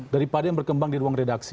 daripada yang berkembang di ruang redaksi